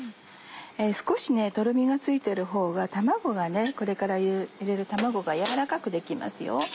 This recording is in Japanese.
少しとろみがついてるほうがこれから入れる卵が柔らかくできますよ。